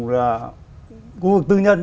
là khu vực tư nhân